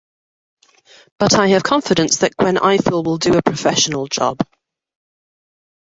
But I have confidence that Gwen Ifill will do a professional job.